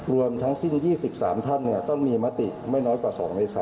รวมทั้งสิ้น๒๓ท่านต้องมีมติไม่น้อยกว่า๒ใน๓